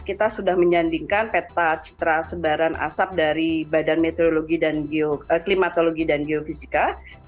kita sudah menyandingkan peta citra sebaran asap dari badan meteorologi klimatologi dan geofisika